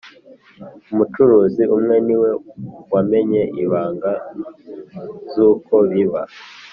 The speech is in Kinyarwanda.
Umucuruzi umwe niwe wamennye ibanga zuko biba